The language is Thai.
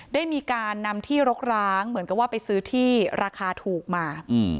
ได้มีการนำที่รกร้างเหมือนกับว่าไปซื้อที่ราคาถูกมา